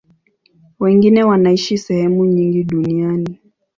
Wengine wanaishi sehemu nyingi duniani.